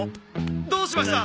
どうしました？